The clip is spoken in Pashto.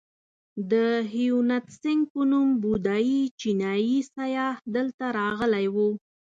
د هیونتسینګ په نوم بودایي چینایي سیاح دلته راغلی و.